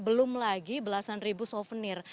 belum lagi belasan ribu souvenir